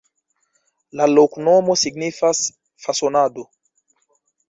La loknomo signifas: fasonado.